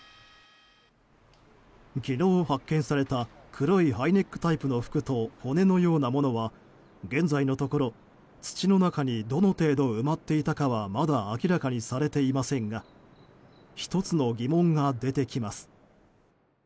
昨日発見された黒いハイネックタイプの服と骨のようなものは、現在のところ土の中にどの程度埋まっていたかはまだ明らかにされていませんが１つの疑問が出てきます。